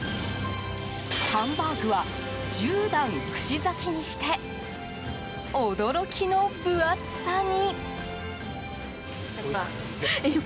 ハンバーグは１０段串刺しにして驚きの分厚さに。